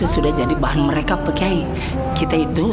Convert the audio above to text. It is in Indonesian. itu kayak kita seperti al spectrum